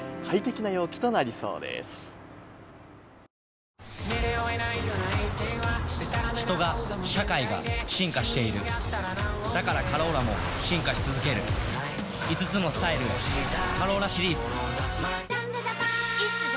「トータルＶクリーム」人が社会が進化しているだから「カローラ」も進化し続ける５つのスタイルへ「カローラ」シリーズ